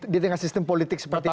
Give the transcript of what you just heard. di tengah sistem politik seperti ini